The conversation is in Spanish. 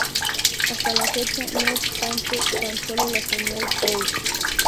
Hasta la fecha, no obstante, tan solo la señal Wow!